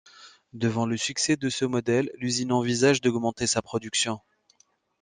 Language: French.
Devant le succès de ce modèle, l’usine envisage d’augmenter sa production.